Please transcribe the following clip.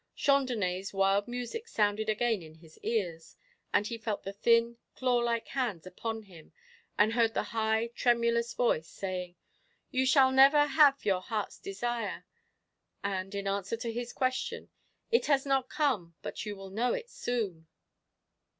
Chandonnais' wild music sounded again in his ears, then he felt the thin, claw like hands upon him and heard the high, tremulous voice saying, "You shall never have your heart's desire"; and, in answer to his question, "It has not come, but you will know it soon."